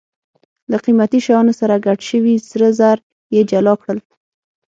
له قیمتي شیانو سره ګډ شوي سره زر یې جلا کړل.